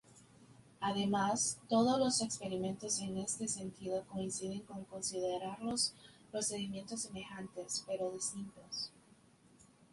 Además todos los experimentos en este sentido coinciden en considerarlos procedimientos semejantes, pero distintos.